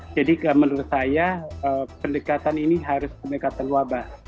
jadi menurut saya pendekatan ini harus mendekatan wabah